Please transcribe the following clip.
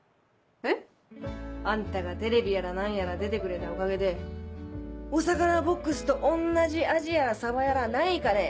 えっ？あんたがテレビやら何やら出てくれたおかげで「お魚ボックスと同じアジやらサバやらないかね」